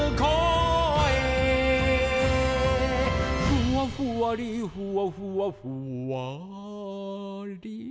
「ふわふわりふわふわふわり」